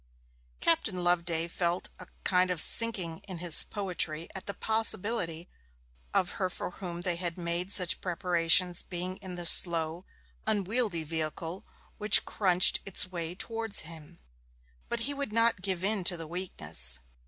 Captain Loveday felt a kind of sinking in his poetry at the possibility of her for whom they had made such preparations being in the slow, unwieldy vehicle which crunched its way towards him; but he would not give in to the weakness.